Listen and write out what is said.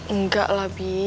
enggak lah bi